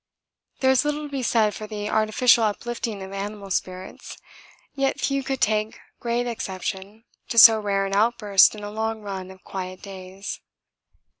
There is little to be said for the artificial uplifting of animal spirits, yet few could take great exception to so rare an outburst in a long run of quiet days.